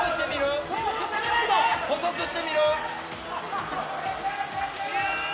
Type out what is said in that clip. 細くしてみろ！